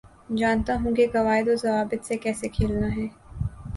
جانتا ہوں کے قوائد و ضوابط سے کیسے کھیلنا ہے